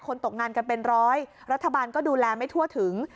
ตกงานกันเป็นร้อยรัฐบาลก็ดูแลไม่ทั่วถึง